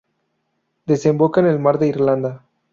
Desemboca al mar de Irlanda.